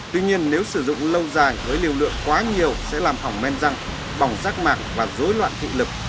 tuy nhiên nếu sử dụng lâu dài với lưu lượng quá nhiều sẽ làm hỏng men răng bỏng rác mạc và dối loạn thị lực